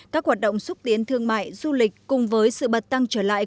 các hoạt động xúc tiến thương mại du lịch cùng với sự bật tăng trở lại